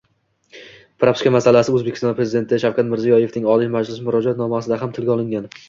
Propiska masalasi O'zbekiston Prezidenti Shavkat Mirziyoyevning Oliy Majlisga Murojaatnomasida ham tilga olingan